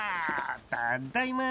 たっだいま